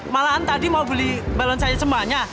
malahan tadi mau beli balon saya semuanya